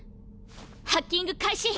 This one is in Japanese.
ハッキング開始！